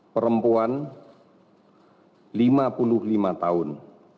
perempuan lima puluh lima tahun